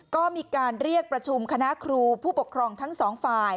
ก็มีการเรียกประชุมคณะครูผู้ปกครองทั้งสองฝ่าย